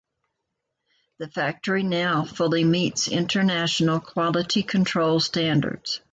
The factory now fully meets international quality control standards.